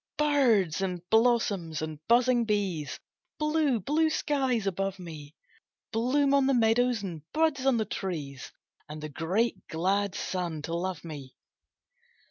"Birds, and blossoms, and buzzing bees, Blue, blue skies above me, Bloom on the meadows and buds on the trees And the great glad sun to love me."